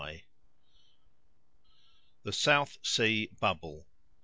] THE SOUTH SEA BUBBLE.